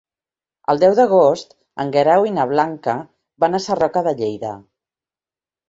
El deu d'agost en Guerau i na Blanca van a Sarroca de Lleida.